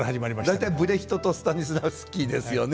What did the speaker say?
大体ブレヒトとスタニスラフスキーですよね。